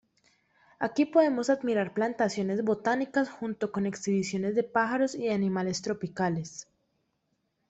Aquí podemos admirar plantaciones botánicas junto con exhibiciones de pájaros y de animales tropicales.